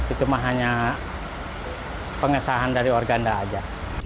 itu mah hanya pengesahan dari organda aja